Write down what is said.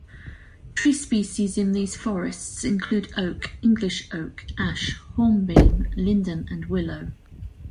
Tree species in these forests include oak, English oak, ash, hornbeam, linden and willow.